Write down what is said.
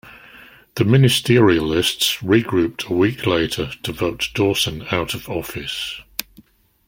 The Ministerialists regrouped a week later to vote Dawson out of office.